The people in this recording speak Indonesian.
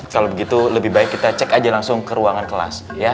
kalau begitu lebih baik kita cek aja langsung ke ruangan kelas